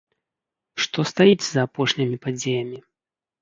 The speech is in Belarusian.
Што стаіць за апошнімі падзеямі?